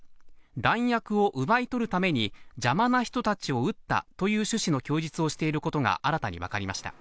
弾薬を奪い取るために邪魔な人たちを撃ったという趣旨の供述をしていることが新たに分かりました。